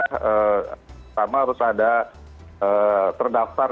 pertama harus ada terdaftar